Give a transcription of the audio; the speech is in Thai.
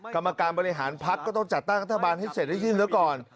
กรรมการบริหารภักดิ์ก็ต้องจัดตั้งตระบันให้เสร็จได้ที่นึงแล้วก่อน